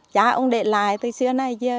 chả ông để lại từ xưa này chưa